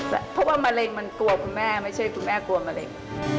เพราะว่ามะเร็งมันกลัวคุณแม่ไม่ใช่คุณแม่กลัวมะเร็ง